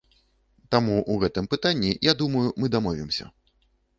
Таму і ў гэтым пытанні, я думаю, мы дамовімся.